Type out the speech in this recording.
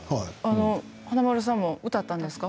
華丸さんも歌ったんですか。